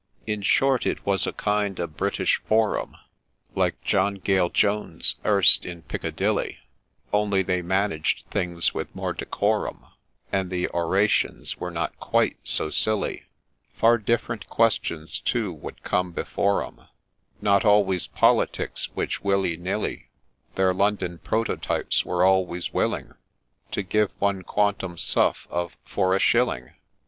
In short, it was a kind of British Forum, Like John Gale Jones's, erst in Piccadilly, Only they managed things with more decorum, And the Orations were not quite so silly ; Far different questions, too, would come before 'em, Not always Politics, which, will ye nill ye, Their London prototypes were always willing, To give one quantum suff. of — for a shilling.